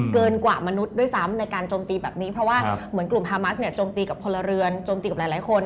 เกินกว่ามนุษย์ด้วยซ้ำในการโจมตีแบบนี้เพราะว่าเหมือนกลุ่มฮามัสเนี่ยโจมตีกับพลเรือนจมตีกับหลายคน